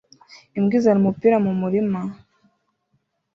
Imbwa izana umupira mu murima